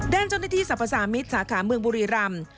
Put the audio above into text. ด้านเจ้าหน้าที่สรรพสามิตรสาขาเมืองบุรีรำ